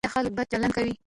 ایا خلک بد چلند کوي؟